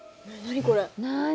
何これ？